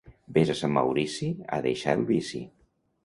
Ves a Sant Maurici a deixar el vici.